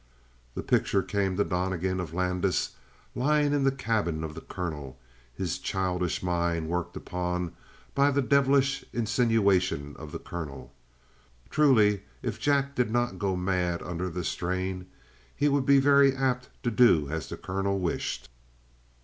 The picture came to Donnegan of Landis, lying in the cabin of the colonel, his childish mind worked upon by the devilish insinuation of the colonel. Truly, if Jack did not go mad under the strain he would be very apt to do as the colonel wished.